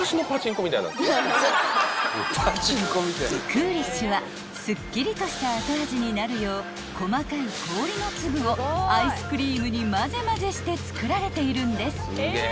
［クーリッシュはすっきりとした後味になるよう細かい氷の粒をアイスクリームにまぜまぜして作られているんです］